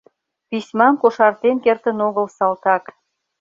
Письмам кошартен кертын огыл салтак.